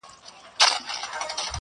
ماته د مار خبري ډيري ښې دي.